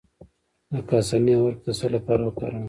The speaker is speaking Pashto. د کاسني عرق د څه لپاره وکاروم؟